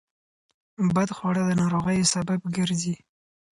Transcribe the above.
بدخواړه د ناروغیو سبب ګرځي.